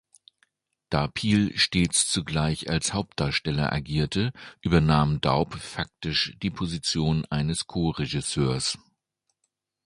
Da Piel stets zugleich als Hauptdarsteller agierte, übernahm Daub faktisch die Position eines Co-Regisseurs.